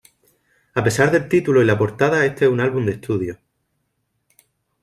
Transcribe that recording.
A pesar del título y la portada este es un álbum de estudio.